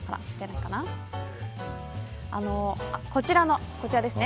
こちらですね。